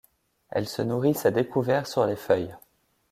Elles se nourrissent à découvert sur les feuilles.